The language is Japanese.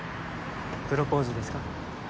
プロポーズですか？